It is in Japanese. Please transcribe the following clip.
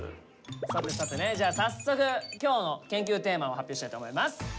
さてさてねじゃあ早速今日の研究テーマを発表したいと思います。